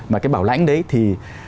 mà cái bảo lãnh đấy thì